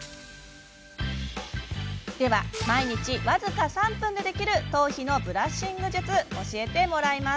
では、毎日僅か３分でできる頭皮のブラッシング術教えてもらいます。